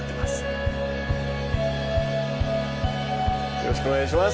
よろしくお願いします。